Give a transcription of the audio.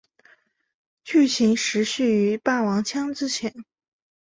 剧情时序于霸王枪之前。